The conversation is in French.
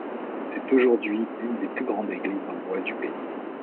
C'est aujourd'hui une des plus grandes églises en bois du pays.